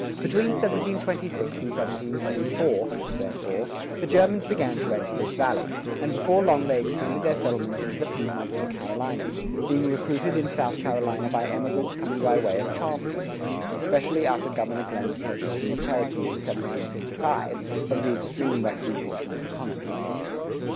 [102:1] Between 1726 and 1734, therefore, the Germans began to enter this valley,[102:2] and before long they extended their settlements into the Piedmont of the Carolinas,[102:3] being recruited in South Carolina by emigrants coming by way of Charleston especially after Governor Glenn's purchase from the Cherokee in 1755, of the extreme western portion of the colony.